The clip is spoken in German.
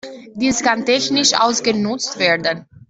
Dies kann technisch ausgenutzt werden.